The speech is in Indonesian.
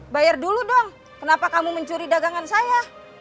bayar dulu dong kenapa kamu mencuri dagangan saya